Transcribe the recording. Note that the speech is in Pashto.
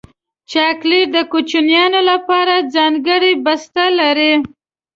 چاکلېټ د کوچنیو لپاره ځانګړی بسته لري.